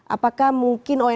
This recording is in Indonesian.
apakah mungkin onh ini